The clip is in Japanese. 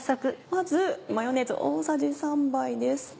まずマヨネーズ大さじ３杯です。